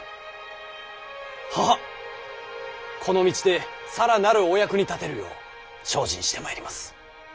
この道で更なるお役に立てるよう精進してまいります！